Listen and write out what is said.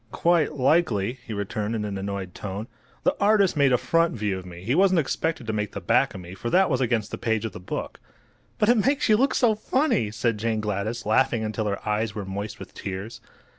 "Quite likely," he returned, in an annoyed tone. "The artist made a front view of me. He wasn't expected to make the back of me, for that was against the page of the book." "But it makes you look so funny!" said Jane Gladys, laughing until her eyes were moist with tears.